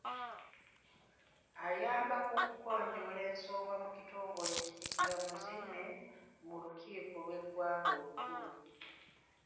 Ayambako okugonjoola ensonga mu kitongole ekiramuzi ne mu lukiiko lw’eggwanga olukulu.